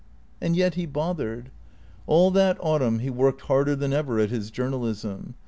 And yet he bothered. All that autumn lie worked harder than ever at his journalism.